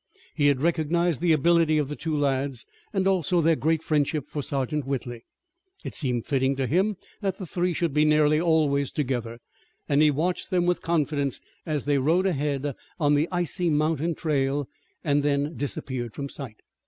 He had recognized the ability of the two lads, and also their great friendship for Sergeant Whitley. It seemed fitting to him that the three should be nearly always together, and he watched them with confidence, as they rode ahead on the icy mountain trail and then disappeared from sight.